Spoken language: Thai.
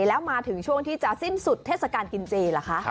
แล้วมาถึงช่วงที่จะสิ้นสุดเทศกาลกินเจเหรอคะ